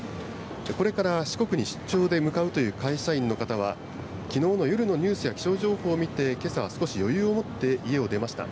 これから四国に出張で向かうという会社員の方は、きのうの夜のニュースや気象情報を見て、けさは少し余裕を持って家を出ました。